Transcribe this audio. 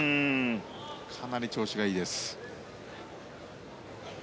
かなり調子がいいです。